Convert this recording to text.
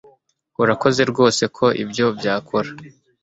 Urakoze rwose ko ibyo byakora